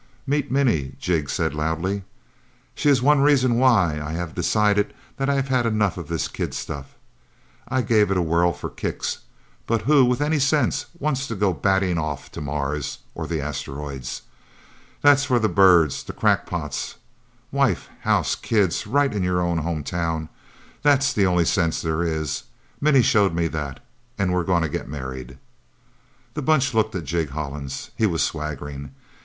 "Meet Minnie," Jig said loudly. "She is one reason why I have decided that I've had enough of this kid stuff. I gave it a whirl for kicks. But who, with any sense, wants to go batting off to Mars or the Asteroids? That's for the birds, the crackpots. Wife, house, kids right in your own home town that's the only sense there is. Minnie showed me that, and we're gonna get married!" The Bunch looked at Jig Hollins. He was swaggering.